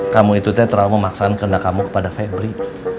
kamu itu terlalu memaksakan kehendak kamu kepada febri